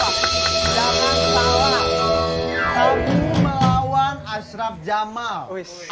kamu melawan ashraf jamal